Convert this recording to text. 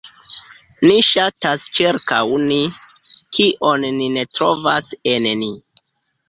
Ni ŝatas ĉirkaŭ ni, kion ni ne trovas en ni.